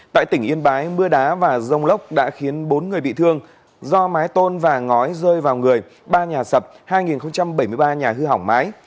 tại tỉnh yên bái mưa đá và rông lốc đã khiến bốn người bị thương do mái tôn và ngói rơi vào người ba nhà sập hai bảy mươi ba nhà hư hỏng mái